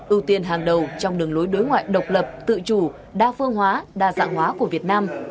ưu tiên hàng đầu trong đường lối đối ngoại độc lập tự chủ đa phương hóa đa dạng hóa của việt nam